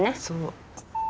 そう。